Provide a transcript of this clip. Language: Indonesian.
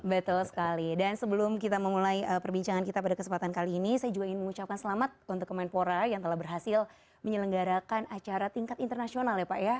betul sekali dan sebelum kita memulai perbincangan kita pada kesempatan kali ini saya juga ingin mengucapkan selamat untuk kemenpora yang telah berhasil menyelenggarakan acara tingkat internasional ya pak ya